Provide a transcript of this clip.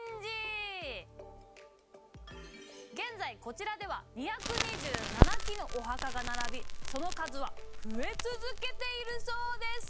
現在こちらでは２２７基のお墓が並びその数は増え続けているそうです。